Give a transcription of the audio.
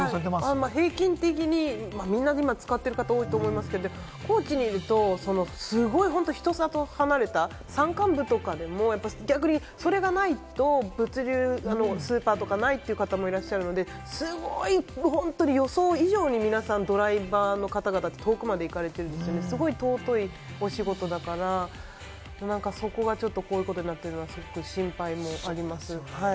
平均的に使ってる方、多いと思いますけれども、高知にいると人里離れた山間部とかでも、逆にそれがないと物流、スーパーがないという方もいらっしゃるので、予想以上に皆さん、ドライバーのかたがたは遠くまで行かれていて、そこがこういうことになっているのは心配なのがわかります。